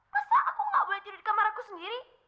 masa aku gak boleh jadi di kamar aku sendiri